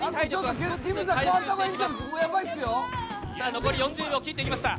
残り４０秒切っていきました